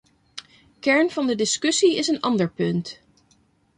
Kern van de discussie is een ander punt.